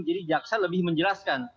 jadi jaksa lebih menjelaskan